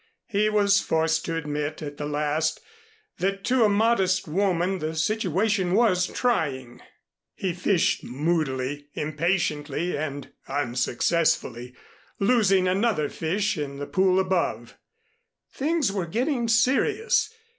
He was forced to admit, at the last, that to a modest woman the situation was trying. He fished moodily, impatiently and unsuccessfully, losing another fish in the pool above. Things were getting serious.